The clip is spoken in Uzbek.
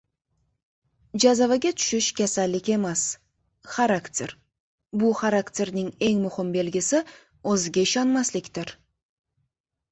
Jazavaga tushish — kasallik emas, xarakter: bu xarakterning eng muhim belgisi o‘ziga ishonmaslikdir.